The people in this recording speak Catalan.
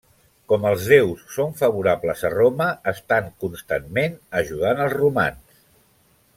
Com els déus són favorables a Roma, estan constantment ajudant els romans.